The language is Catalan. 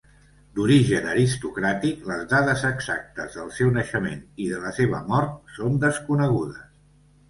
D'origen aristocràtic, les dades exactes del seu naixement i de la seva mort són desconegudes.